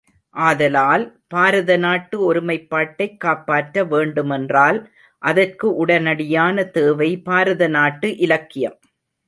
ஆதலால், பாரத நாட்டு ஒருமைப்பாட்டைக் காப்பாற்ற வேண்டுமென்றால் அதற்கு உடனடியான தேவை பாரத நாட்டு இலக்கியம்.